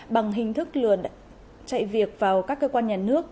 bằng hình thức chạy việc vào các cơ quan nhà nước